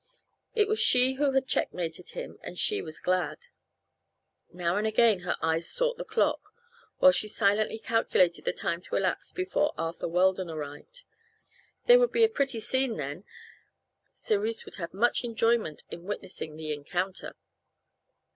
It was she who had checkmated him, and she was glad. Now and again her eyes sought the clock, while she silently calculated the time to elapse before Arthur Weldon arrived. There would be a pretty scene then, Cerise would have much enjoyment in witnessing the encounter.